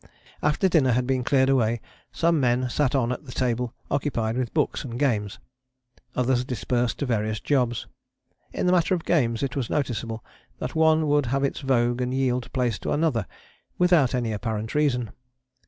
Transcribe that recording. After dinner had been cleared away, some men sat on at the table occupied with books and games. Others dispersed to various jobs. In the matter of games it was noticeable that one would have its vogue and yield place to another without any apparent reason.